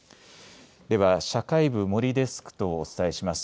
では社会部森デスクとお伝えします。